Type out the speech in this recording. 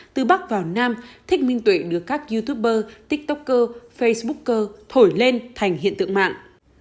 từ bắc vào nam thích minh tuệ được các youtuber tiktoker facebooker thổi lên thành hiện tượng mạng